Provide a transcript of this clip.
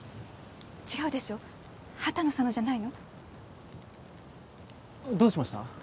違うでしょ畑野さんのじゃないの？どうしました？